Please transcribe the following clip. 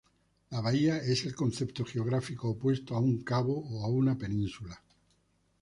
La bahía es el concepto geográfico opuesto a un cabo o a una península.